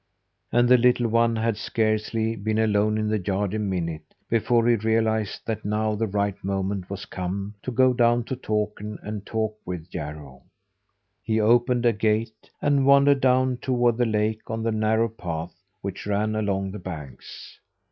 And the little one had scarcely been alone in the yard a minute, before he realised that now the right moment was come to go down to Takern and talk with Jarro. He opened a gate, and wandered down toward the lake on the narrow path which ran along the banks.